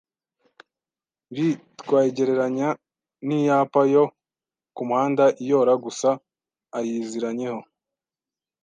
Ii twaigereranya n’iyapa yo ku muhanda iyoora gusa aiziranyeho